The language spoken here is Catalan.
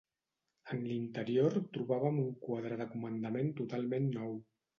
En l'interior trobàvem un quadre de comandament totalment nou.